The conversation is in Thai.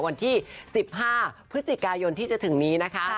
วันที่๑๕พฤศจิกายนที่จะถึงนี้นะคะ